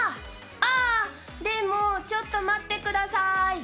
ああでも、ちょっと待ってください。